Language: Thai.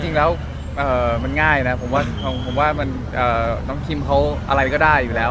จริงแล้วมันง่ายทุกคนใช่รูปที่คิมอะไรก็ได้อยู่แล้ว